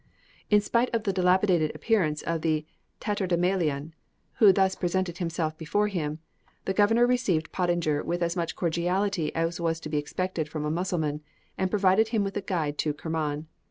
In spite of the dilapidated appearance of the tatterdemalion who thus presented himself before him, the governor received Pottinger with as much cordiality as was to be expected from a Mussulman, and provided him with a guide to Kerman.